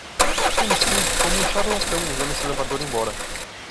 Eu me sinto como um charlatão usando esse elevador embora.